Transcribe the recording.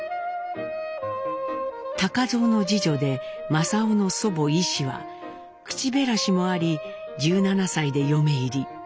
蔵の次女で正雄の祖母イシは口減らしもあり１７歳で嫁入り。